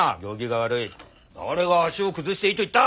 誰が足を崩していいと言った？